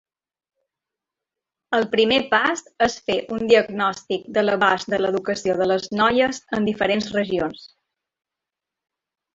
El primer pas és fer un diagnòstic de l'abast de l'educació de les noies en diferents regions.